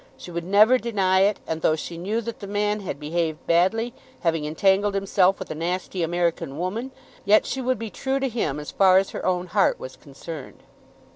She would never deny it; and though she knew that the man had behaved badly, having entangled himself with a nasty American woman, yet she would be true to him as far as her own heart was concerned.